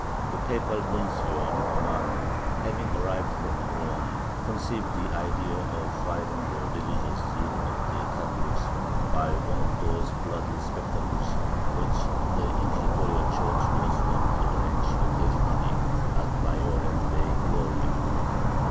The Papal Nuncio Lippomano, having arrived from Rome, conceived the idea of firing the religious zeal of the Catholics by one of those bloody spectacles which the inquisitorial Church was wont to arrange occasionally ad maiorem Dei gloriam.